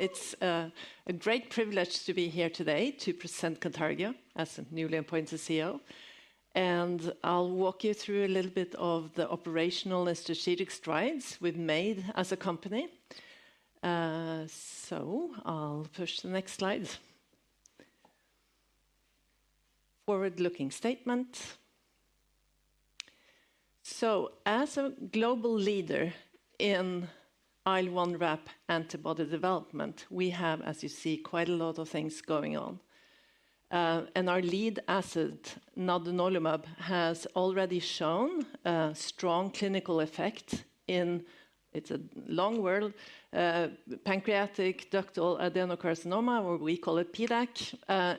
It's a great privilege to be here today to present Cantargia as a newly appointed CEO. And I'll walk you through a little bit of the operational and strategic strides we've made as a company. So I'll push the next slides. Forward-looking statements. So, as a global leader in IL-1RAP antibody development, we have, as you see, quite a lot of things going on. And our lead asset, Nadunolimab, has already shown a strong clinical effect in, it's a long word, pancreatic ductal adenocarcinoma, or we call it PDAC,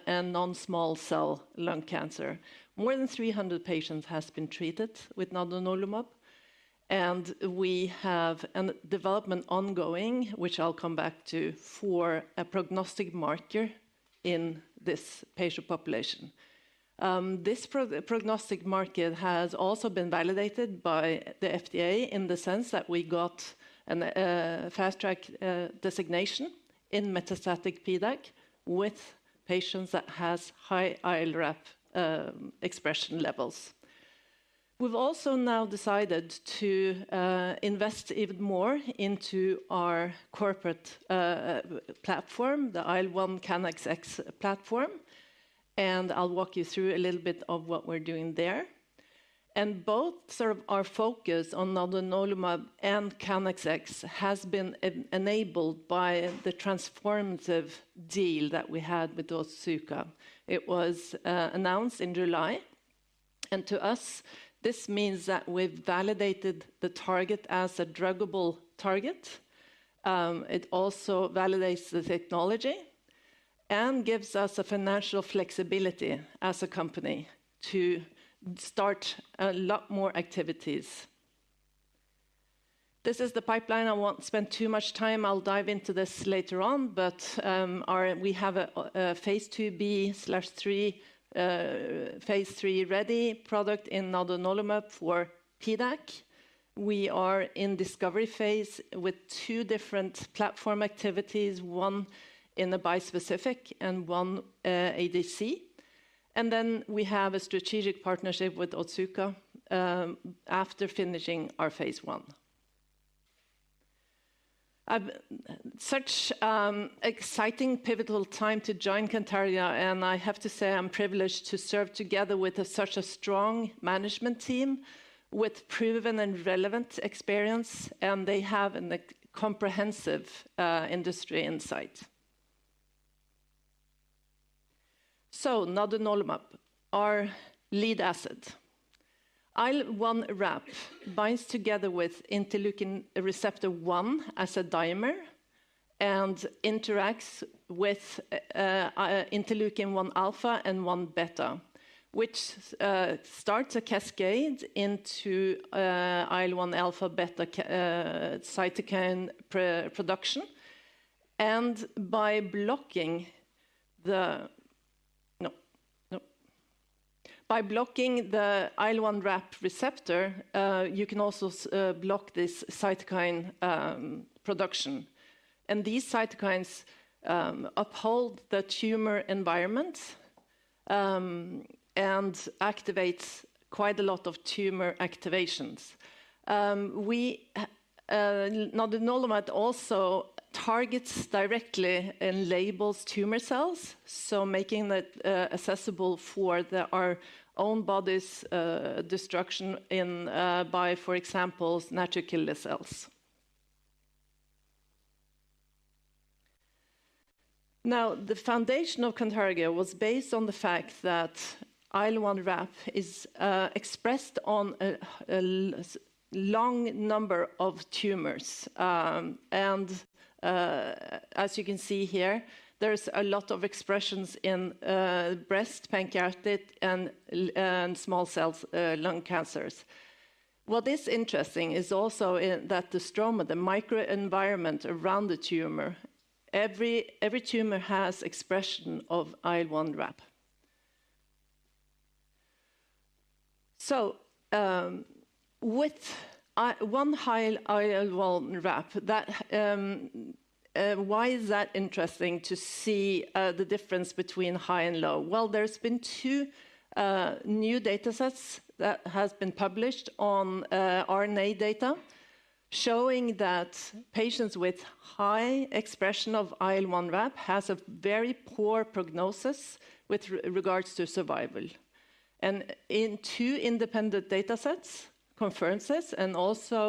and non-small cell lung cancer. More than 300 patients have been treated with Nadunolimab, and we have a development ongoing, which I'll come back to, for a prognostic marker in this patient population. This prognostic marker has also been validated by the FDA in the sense that we got a fast-track designation in metastatic PDAC with patients that have high IL-1RAP expression levels. We've also now decided to invest even more into our antibody platform, the IL-1 CANxx platform. I'll walk you through a little bit of what we're doing there. Both sort of our focus on Nadunolimab and CANxx has been enabled by the transformative deal that we had with Otsuka. It was announced in July. To us, this means that we've validated the target as a druggable target. It also validates the technology and gives us financial flexibility as a company to start a lot more activities. This is the pipeline. I won't spend too much time. I'll dive into this later on, but we have a Phase IIb/III, Phase III ready product in Nadunolimab for PDAC. We are in discovery phase with two different platform activities, one in the bispecific and one ADC, and then we have a strategic partnership with Otsuka after finishing our Phase I. Such an exciting, pivotal time to join Cantargia, and I have to say I'm privileged to serve together with such a strong management team with proven and relevant experience, and they have a comprehensive industry insight. Nadunolimab, our lead asset. IL-1RAP binds together with interleukin receptor 1 as a dimer and interacts with interleukin-1α and 1ß, which starts a cascade into IL-1α/ß cytokine production. By blocking the IL-1RAP receptor, you can also block this cytokine production, and these cytokines uphold the tumor environment and activate quite a lot of tumor activations. Nadunolimab also targets directly and labels tumor cells, so making it accessible for our own body's destruction by, for example, natural killer cells. Now, the foundation of Cantargia was based on the fact that IL-1RAP is expressed on a large number of tumors. And as you can see here, there's a lot of expression in breast, pancreatic, and small cell lung cancers. What is interesting is also that the stroma, the microenvironment around the tumor. Every tumor has expression of IL-1RAP. So, with one high IL-1RAP, why is that interesting to see the difference between high and low? Well, there's been two new datasets that have been published on RNA data, showing that patients with high expression of IL-1RAP have a very poor prognosis with regards to survival. And in two independent datasets confirms this, and also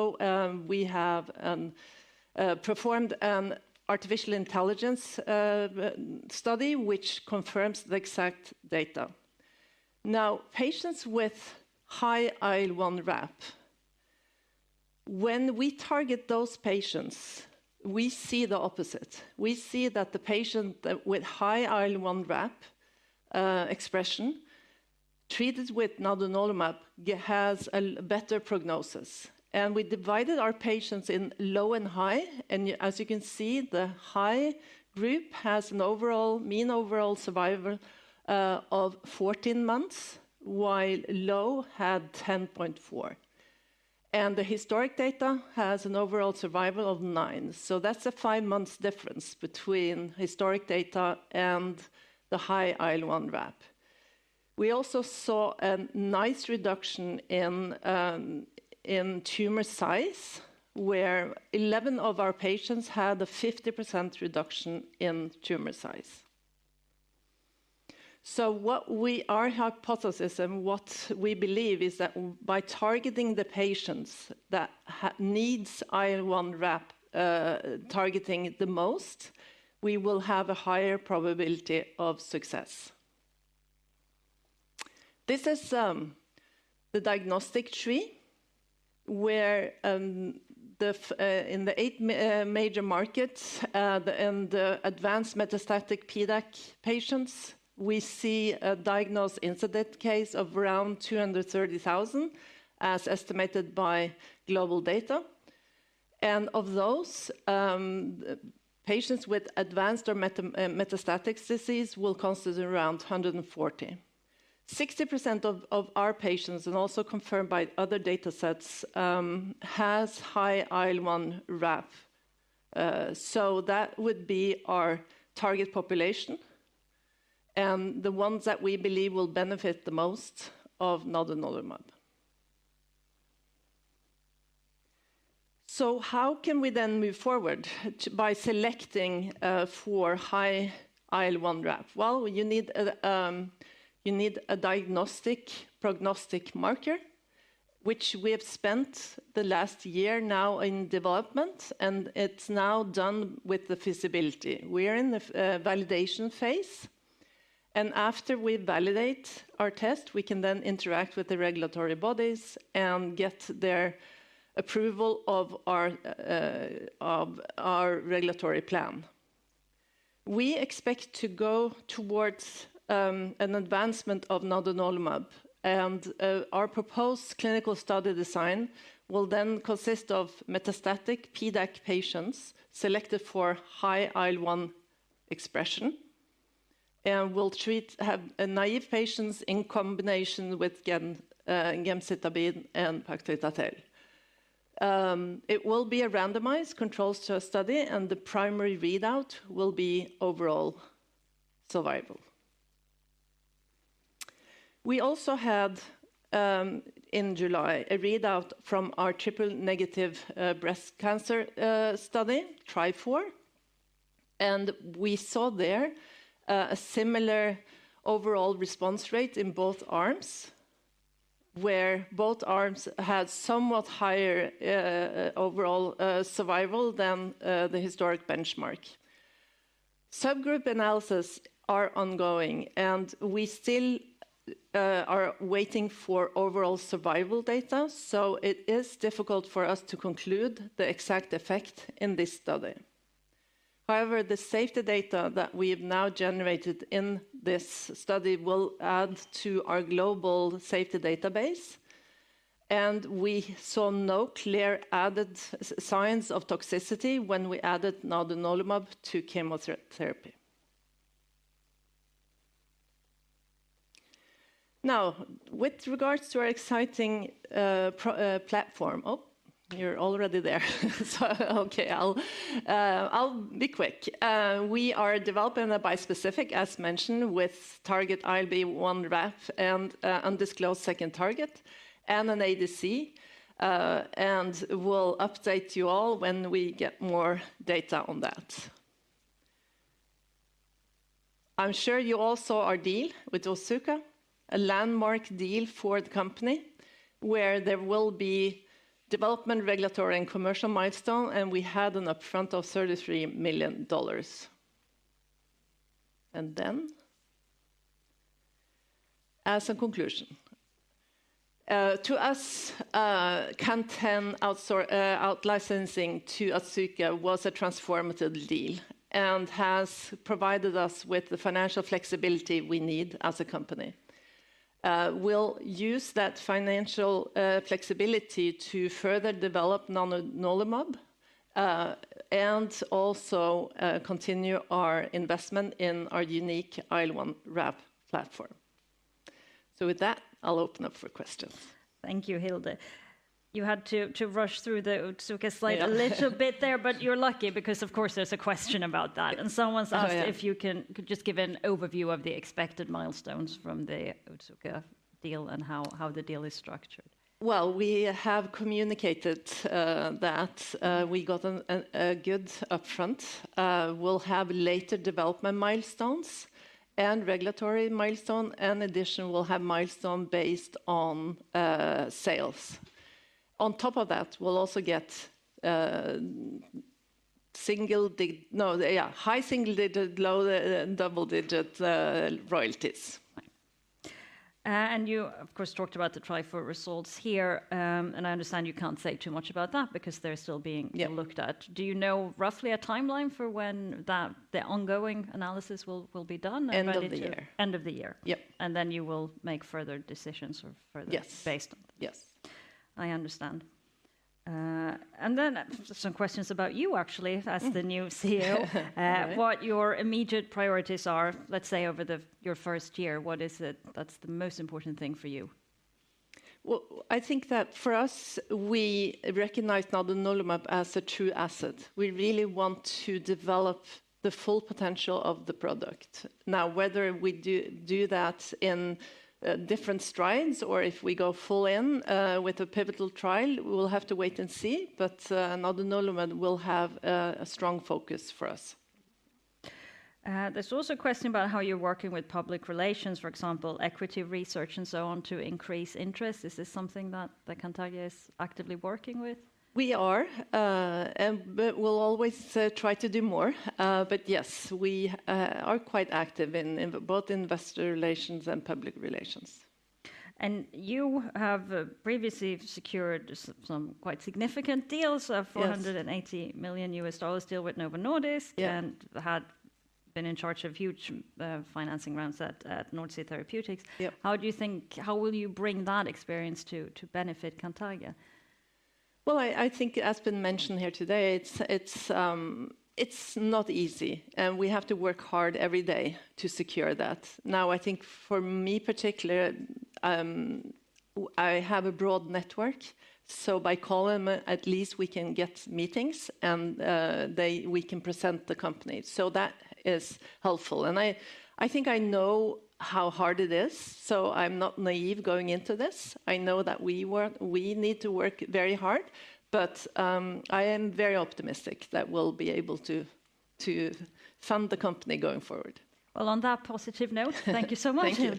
we have performed an artificial intelligence study which confirms the exact data. Now, patients with high IL-1RAP, when we target those patients, we see the opposite. We see that the patient with high IL-1RAP expression treated with Nadunolimab has a better prognosis. And we divided our patients in low and high, and as you can see, the high group has an overall mean overall survival of 14 months, while low had 10.4. And the historic data has an overall survival of 9. So that's a five-month difference between historic data and the high IL-1RAP. We also saw a nice reduction in tumor size, where 11 of our patients had a 50% reduction in tumor size. What is our hypothesis and what we believe is that by targeting the patients that need IL-1RAP targeting the most, we will have a higher probability of success. This is the diagnostic tree where in the eight major markets and advanced metastatic PDAC patients, we see a diagnosed incidence case of around 230,000 as estimated by GlobalData. Of those, patients with advanced or metastatic disease will constitute around 140,000. 60% of our patients, and also confirmed by other datasets, have high IL-1RAP. That would be our target population and the ones that we believe will benefit the most from Nadunolimab. How can we then move forward by selecting for high IL-1RAP? You need a diagnostic prognostic marker, which we have spent the last year now in development, and it's now done with the feasibility. We are in the validation phase. After we validate our test, we can then interact with the regulatory bodies and get their approval of our regulatory plan. We expect to go towards an advancement of Nadunolimab, and our proposed clinical study design will then consist of metastatic PDAC patients selected for high IL-1 expression and will treat naive patients in combination with gemcitabine and paclitaxel. It will be a randomized controlled study, and the primary readout will be overall survival. We also had in July a readout from our triple negative breast cancer study, TRIFOUR, and we saw there a similar overall response rate in both arms, where both arms had somewhat higher overall survival than the historic benchmark. Subgroup analyses are ongoing, and we still are waiting for overall survival data, so it is difficult for us to conclude the exact effect in this study. However, the safety data that we have now generated in this study will add to our global safety database, and we saw no clear added signs of toxicity when we added Nadunolimab to chemotherapy. Now, with regards to our exciting platform, oh, you're already there. Okay, I'll be quick. We are developing a bispecific, as mentioned, with target IL-1RAP and undisclosed second target and an ADC, and we'll update you all when we get more data on that. I'm sure you all saw our deal with Otsuka, a landmark deal for the company where there will be development, regulatory, and commercial milestones, and we had an upfront of $33 million. And then, as a conclusion, to us, CAN10 outsourcing to Otsuka was a transformative deal and has provided us with the financial flexibility we need as a company. We'll use that financial flexibility to further develop Nadunolimab and also continue our investment in our unique IL-1RAP platform. With that, I'll open up for questions. Thank you, Hilde. You had to rush through the Otsuka slide a little bit there, but you're lucky because, of course, there's a question about that, and someone's asked if you can just give an overview of the expected milestones from the Otsuka deal and how the deal is structured. We have communicated that we got a good upfront. We'll have later development milestones and regulatory milestones, and in addition, we'll have milestones based on sales. On top of that, we'll also get single digit, no, yeah, high single-digit, low double digit royalties. You, of course, talked about the TRIFOUR results here, and I understand you can't say too much about that because they're still being looked at. Do you know roughly a timeline for when the ongoing analysis will be done? End of the year. End of the year. Yep. And then you will make further decisions based on that. Yes. I understand. And then some questions about you, actually, as the new CEO, what your immediate priorities are, let's say over your first year. What is it that's the most important thing for you? I think that for us, we recognize Nadunolimab as a true asset. We really want to develop the full potential of the product. Now, whether we do that in different strides or if we go full in with a pivotal trial, we will have to wait and see, but Nadunolimab will have a strong focus for us. There's also a question about how you're working with public relations, for example, equity research and so on to increase interest. Is this something that Cantargia is actively working with? We are, but we'll always try to do more. But yes, we are quite active in both investor relations and public relations. You have previously secured some quite significant deals, a $480 million deal with Novo Nordisk and had been in charge of huge financing rounds at NorthSea Therapeutics. How do you think, how will you bring that experience to benefit Cantargia? I think, as has been mentioned here today, it's not easy, and we have to work hard every day to secure that. Now, I think for me particularly, I have a broad network, so by calling, at least we can get meetings and we can present the company. That is helpful. I think I know how hard it is, so I'm not naive going into this. I know that we need to work very hard, but I am very optimistic that we'll be able to fund the company going forward. On that positive note, thank you so much.